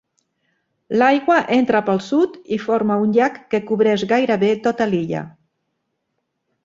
L'aigua entra pel sud i forma un llac que cobreix gairebé tota l'illa.